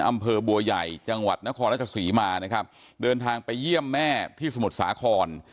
อำเภอบัวใหญ่จังหวัดนครราชศรีมานะครับเดินทางไปเยี่ยมแม่ที่สมุทรสาคร